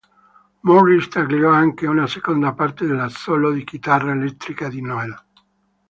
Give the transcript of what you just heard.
Morris tagliò anche una seconda parte dell'assolo di chitarra elettrica di Noel.